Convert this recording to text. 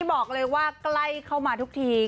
บอกเลยว่าใกล้เข้ามาทุกที